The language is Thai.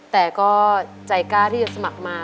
แต่ก็ใจกล้าที่จะสมัครมา